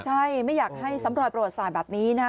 ใช่ไม่อยากให้สำรวจตรวจสอบแบบนี้นะ